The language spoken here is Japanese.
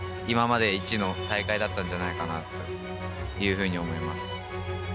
今まで一の大会だったんじゃないかなというふうに思います。